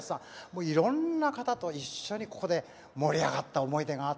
もういろんな方と一緒にここで盛り上がった思い出があって。